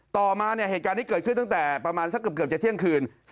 ต่อมาเนี่ยเหตุการณ์ที่เกิดขึ้นตั้งแต่ประมาณสักเกือบจะเที่ยงคืน